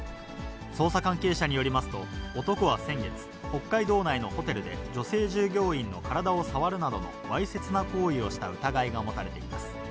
捜査関係者によりますと、男は先月、北海道内のホテルで女性従業員の体を触るなどのわいせつな行為をした疑いが持たれています。